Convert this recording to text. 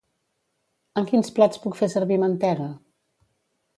En quins plats puc fer servir mantega?